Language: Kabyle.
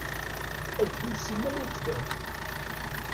Agdud simmal a yettbehbi.